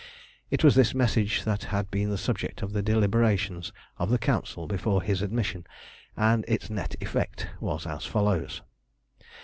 It was this message that had been the subject of the deliberations of the Council before his admission, and its net effect was as follows.